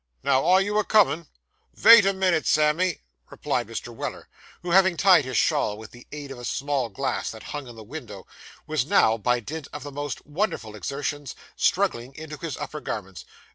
'Now, are you a comin'?' 'Vait a minit, Sammy,' replied Mr. Weller, who, having tied his shawl with the aid of a small glass that hung in the window, was now, by dint of the most wonderful exertions, struggling into his upper garments.